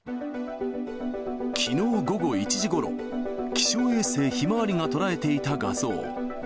きのう午後１時ごろ、気象衛星ひまわりが捉えていた画像。